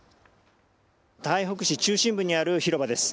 台北市中心部にある広場です。